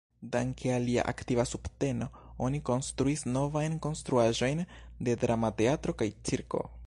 Danke al lia aktiva subteno oni konstruis novajn konstruaĵojn de drama teatro kaj cirko.